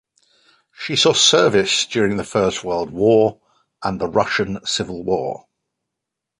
She saw service during the First World War and the Russian Civil War.